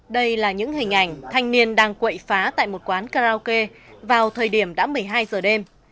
đây là những hình ảnh thanh niên đang quậy phá tại một quán karaoke vào thời điểm đã một mươi hai giờ đêm